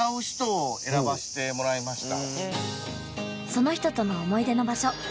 その人との思い出の場所